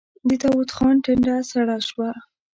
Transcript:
د داوود خان ټنډه سړه شوه.